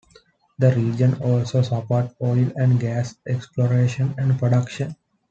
The region also supports oil and gas exploration and production.